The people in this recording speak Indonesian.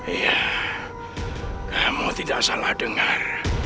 iya kamu tidak salah dengar